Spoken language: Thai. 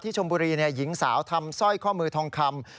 ชมบุรีหญิงสาวทำสร้อยข้อมือทองคำ